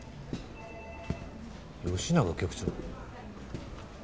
吉永局長。